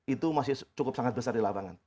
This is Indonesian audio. itu masih cukup sangat besar di lapangan